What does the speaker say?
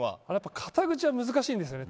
肩口は難しいんですよね。